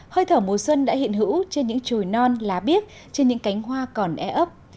hơi thở mùa xuân đã hiện hữu trên những trùi non lá biếc trên những cánh hoa còn e ấp